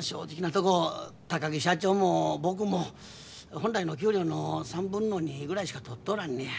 正直なとこ高木社長も僕も本来の給料の３分の２ぐらいしか取っとらんねや。